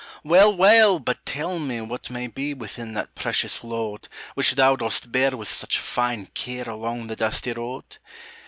"Well, well! but tell me what may be Within that precious load, Which thou dost bear with such fine care Along the dusty road?